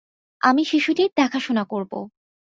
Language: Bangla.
আমি শিশুটির দেখাশোনা করবো।